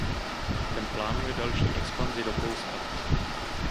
Ten plánuje další expanzi do Polska.